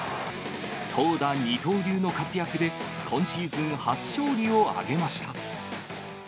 投打二刀流の活躍で、今シーズン初勝利を挙げました。